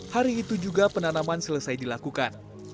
hari itu juga penanaman selesai dilakukan